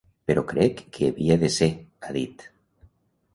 Però crec que hi havia de ser, ha dit.